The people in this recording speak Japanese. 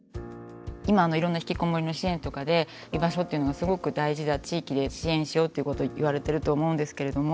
今いろんなひきこもりの支援とかで居場所というのがすごく大事だ地域で支援しようっていうこと言われてると思うんですけれども。